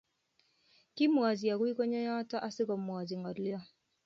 kimwachi agui konyo nyoto asigomwachi ngolyo